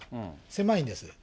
狭いんです。